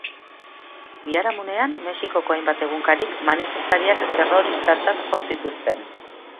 Biharamunean, Mexikoko hainbat egunkarik manifestariak terroristatzat jo zituzten.